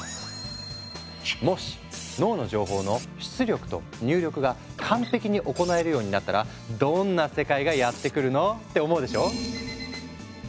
もし脳の情報の出力と入力が完璧に行えるようになったらどんな世界がやって来るの？って思うでしょ？